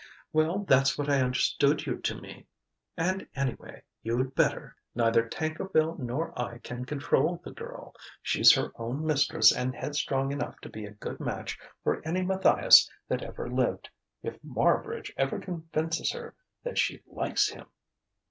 "Well, that's what I understood you to mean. And anyway, you'd better. Neither Tankerville nor I can control the girl; she's her own mistress and headstrong enough to be a good match for any Matthias that ever lived. If Marbridge ever convinces her that she likes him...."